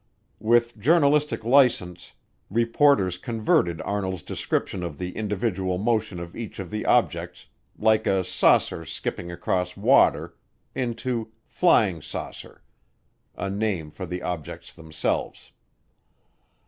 With journalistic license, reporters converted Arnold's description of the individual motion of each of the objects like "a saucer skipping across water" into "flying saucer," a name for the objects themselves.